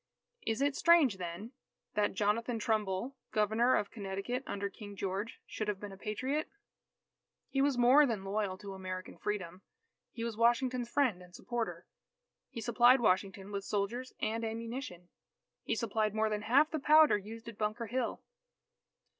Is it strange, then, that Jonathan Trumbull, Governor of Connecticut under King George, should have been a Patriot? He was more than loyal to American freedom. He was Washington's friend and supporter. He supplied Washington with soldiers and ammunition. He supplied more than half the powder used at Bunker Hill.